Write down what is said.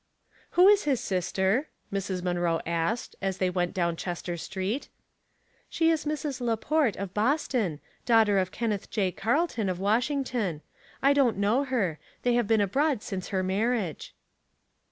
" Who is his sister ?" Mrs. IMunroe asked as they went down Chester Street. "She is Mrs. Laport, of Boston, daughter of Kenneth J. Carlton, of Washington. I don't know her; they have been abroad since her riage."